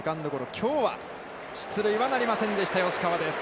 きょうは出塁はなりませんでした、吉川です。